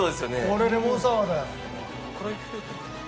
これレモンサワーだよ。